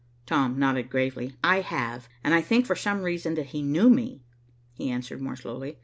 Tom nodded gravely. "I have, and I think for some reason that he knew me," he answered more slowly.